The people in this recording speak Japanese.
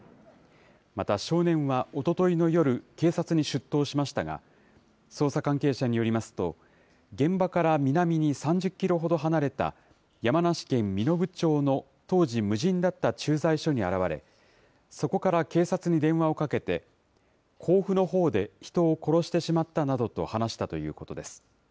また少年はおとといの夜、警察に出頭しましたが、捜査関係者によりますと、現場から南に３０キロほど離れた、山梨県身延町の当時無人だった駐在所に現れ、そこから警察に電話をかけて、甲府のほうで人を殺してしまったなどと話したということです。